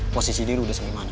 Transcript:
posisi dia udah sempit mana